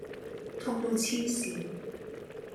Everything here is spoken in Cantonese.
痛到痴線